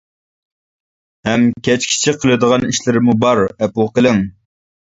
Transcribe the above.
ھەم كەچكىچە قىلىدىغان ئىشلىرىممۇ بار، ئەپۇ قىلىڭ.